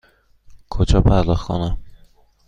کجا پرداخت کنم؟